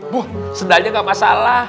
bu sendalnya gak masalah